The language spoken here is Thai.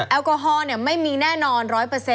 แอลกอฮอล์เนี่ยไม่มีแน่นอน๑๐๐แต่